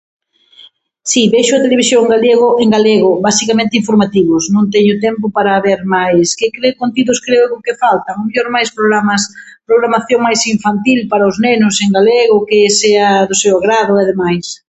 Si, vexo a televisión galego, en galego, basicamente informativos, non teño tempo para ver máis. Que que contidos creo que faltan? Ao mellor máis programas, programación máis infantil, para os nenos, en galego, que sea do seu agrado e demais.